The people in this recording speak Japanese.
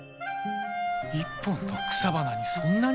一本の草花にそんなに？